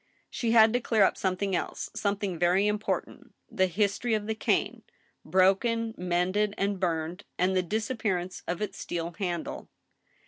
She had to clear up something else, something very important, the history of the cane, broken, mended, and burned, and the disappearance of its steel handle.